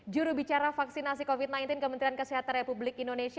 jurubicara vaksinasi covid sembilan belas kementerian kesehatan republik indonesia